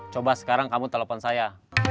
coba sekarang kamu telepon saya